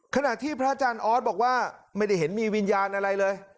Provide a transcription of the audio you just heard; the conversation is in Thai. ขณะที่พระอาจารย์ออสบอกว่าไม่ได้เห็นมีวิญญาณอะไรเลย